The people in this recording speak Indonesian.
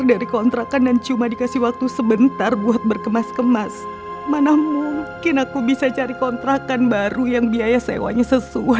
akhirnya gue bisa buka instagram juga